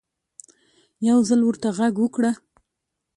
يو ځل ورته غږ وکړه